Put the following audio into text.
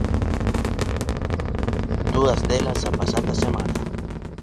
Dúas delas a pasada semana.